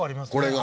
これが？